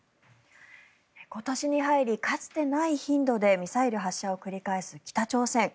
今年に入りかつてない頻度でミサイル発射を繰り返す北朝鮮。